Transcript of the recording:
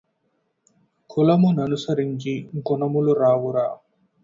కులము ననుసరించి గుణములు రావురా